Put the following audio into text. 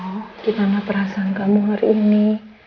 oh gimana perasaan kamu hari ini